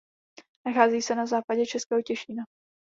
Nachází se na západě Českého Těšína.